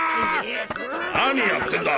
何やってんだ。